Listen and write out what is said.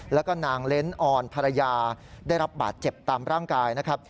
แล้วก็นางเล้นออนภรรยาได้รับบาดเจ็บตามร่างกายนะครับ